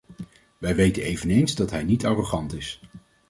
Wij weten eveneens dat hij niet arrogant is.